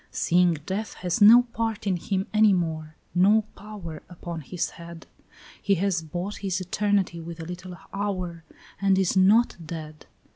"Seeing death has no part in him any more, no power Upon his head; He has bought his eternity with a little hour, And is not dead.